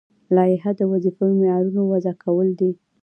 لایحه د وظیفوي معیارونو وضع کول دي.